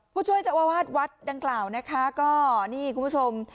ผู้ช่วยเจ้าอาวาสวัดดังกล่าวนะคะก็นี่คุณผู้ชม